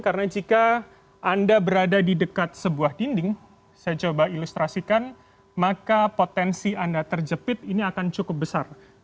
karena jika anda berada di dekat sebuah dinding saya coba ilustrasikan maka potensi anda terjepit ini akan cukup besar